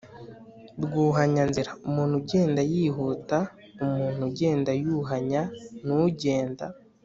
rwuhanyanzira: umuntu ugenda yihuta umuntu ugenda yuhanya ni ugenda